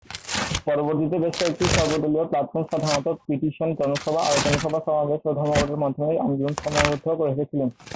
পরবর্তিতে বেশ কয়েকটি সর্বদলীয় প্ল্যাটফর্ম সাধারণত পিটিশন, জনসভা, আলোচনা সভা, সমাবেশ ও ধর্মঘটের মধ্যেই আন্দোলন সীমাবদ্ধ রেখেছিল।